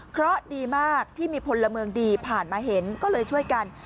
เพราะดีมากที่มีพลเมืองดีผ่านมาเห็นก็เลยช่วยกัน